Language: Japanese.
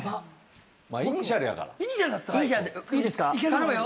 頼むよ。